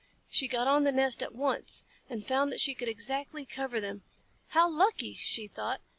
She got on the nest at once, and found that she could exactly cover them. "How lucky!" she thought.